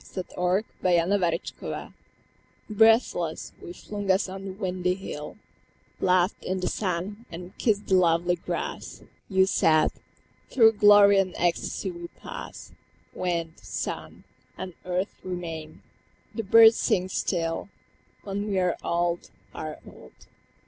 I fell asleep. The Hill Breathless, we flung us on the windy hill, Laughed in the sun, and kissed the lovely grass. You said, "Through glory and ecstasy we pass; Wind, sun, and earth remain, the birds sing still, When we are old, are old.